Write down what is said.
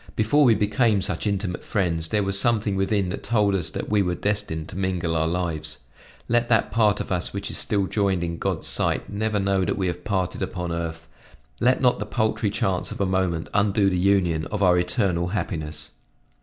Before we became such intimate friends there was something within that told us that we were destined to mingle our lives. Let that part of us which is still joined in God's sight never know that we have parted upon earth; let not the paltry chance of a moment undo the union of our eternal happiness!"